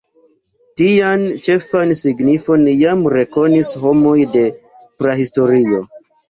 Tian ĉefan signifon jam rekonis homoj de prahistorio.